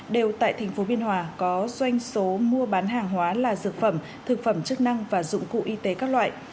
đều tại thành phố biên hòa có doanh số mua bán hàng hóa là dược phẩm thực phẩm chức năng và dụng cụ y tế các loại